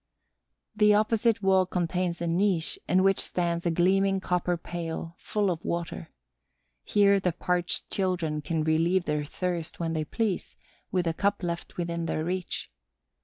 The opposite wall contains a niche in which stands a gleaming copper pail full of water. Here the parched children can relieve their thirst when they please, with a cup left within their reach.